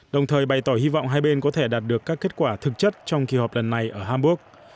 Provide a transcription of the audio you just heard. đồng thời bày tỏ hy vọng hai bên có thể đạt được các kết quả thực chất trong kỳ họp lần này ở hamburg